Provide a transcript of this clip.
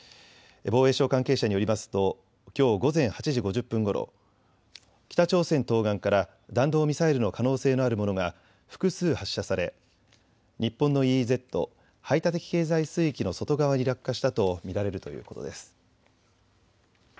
防衛省関係者によりますときょう午前８時５０分ごろ、北朝鮮東岸から弾道ミサイルの可能性のあるものが複数発射され日本のＥＥＺ・排他的経済水域の外側に落下したと見られるということです。